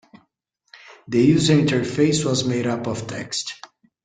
The user interface was made up of text.